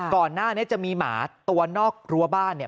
ก่อนหน้านี้จะมีหมาตัวนอกรั้วบ้านเนี่ย